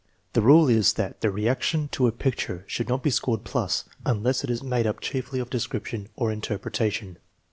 The rule is that the reaction to a picture should not be scored plus unless it is made up chiefly of description (or interpreta tion).